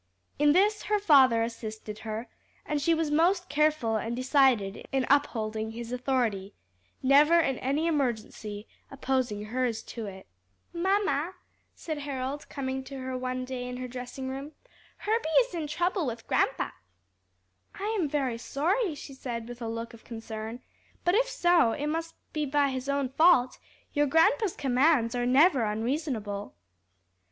In this her father assisted her, and she was most careful and decided in upholding his authority, never in any emergency opposing hers to it. "Mamma," said Harold, coming to her one day in her dressing room, "Herbie is in trouble with grandpa." "I am very sorry," she said with a look of concern, "but if so it must be by his own fault; your grandpa's commands are never unreasonable."